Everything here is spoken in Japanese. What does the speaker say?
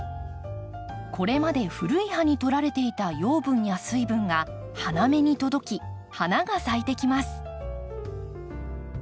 これまで古い葉にとられていた養分や水分が花芽に届き花が咲いてきます。